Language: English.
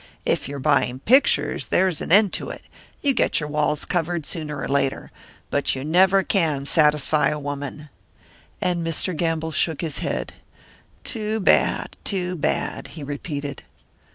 If you're buying pictures, there's an end to it you get your walls covered sooner or later. But you never can satisfy a woman.'" And Mr. Gamble shook his head. "Too bad, too bad," he repeated.